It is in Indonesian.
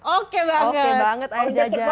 oke banget ayah jajah